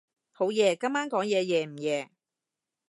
好夜？今晚講嘢夜唔夜？